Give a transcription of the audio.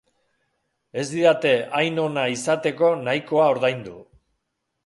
Ez didate hain ona izateko nahikoa ordaindu.